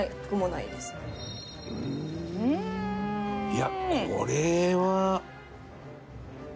いやこれは。